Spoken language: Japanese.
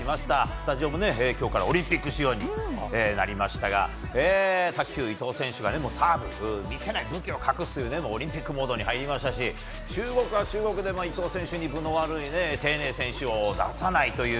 スタジオも今日からオリンピック仕様になりましたが卓球、伊藤選手が武器のサーブを見せないオリンピックモードに入りましたし、中国は中国で伊藤選手に分の悪いテイ・ネイ選手を出さないという。